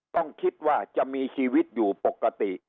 ต้องคิดว่าจะมีชีวิตอยู่ปกติ